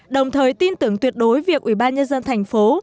đồng thời tin tưởng tuyệt đối việc ủy ban nhân dân thành phố